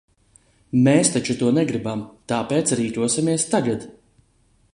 Mēs taču to negribam, tāpēc rīkosimies tagad!